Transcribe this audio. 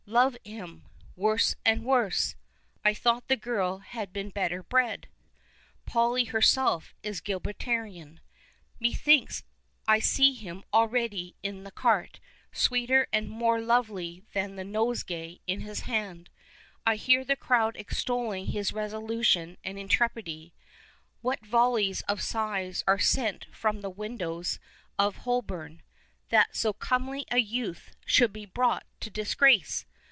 " Love him ! Worse and worse ! I thought the girl had been better bred." Polly herself is Gilbertian. " Methinks I see him already in the cart, sweeter and more lovely than the nosegay in his hand ! I hear the crowd extolling his resolution and intrepidity ! What volleys of sighs arc sent from the windows of 128 "THE BEGGAR'S OPERA" Hoi born, that so comely a youth should be brought to disgrace